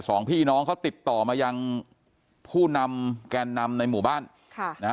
สองพี่น้องเขาติดต่อมายังผู้นำแกนนำในหมู่บ้านค่ะนะฮะ